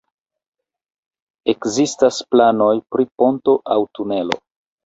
Ekzistas planoj pri ponto aŭ tunelo.